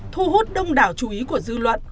thu hút đông đảo chú ý của dư luận